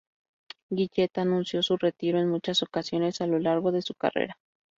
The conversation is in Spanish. Gillette anunció su retiro en muchas ocasiones a lo largo de su carrera.